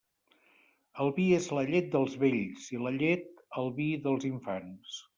El vi és la llet dels vells, i la llet, el vi dels infants.